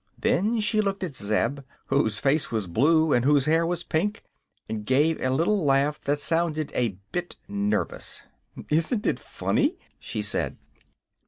Then she looked at Zeb, whose face was blue and whose hair was pink, and gave a little laugh that sounded a bit nervous. "Isn't it funny?" she said.